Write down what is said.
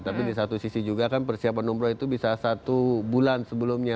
tapi di satu sisi juga kan persiapan umroh itu bisa satu bulan sebelumnya